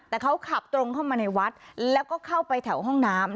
แต่เขาขับตรงเข้ามาในวัดแล้วก็เข้าไปแถวห้องน้ำ